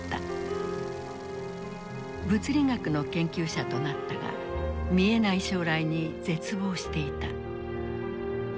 物理学の研究者となったが見えない将来に絶望していた。